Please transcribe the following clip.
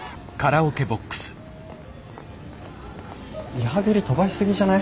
リハビリ飛ばし過ぎじゃない？